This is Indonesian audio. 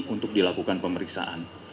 untuk dilakukan pemeriksaan